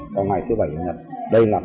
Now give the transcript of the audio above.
vào ngày thứ bảy nhật đây là